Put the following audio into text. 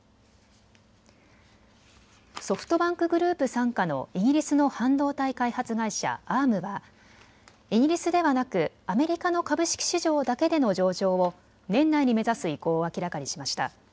ソフトバンクグループ傘下のイギリスの半導体開発会社Ａｒｍはイギリスではなくアメリカの株式市場だけでの上場を年内に目指す意向を明らかにしました。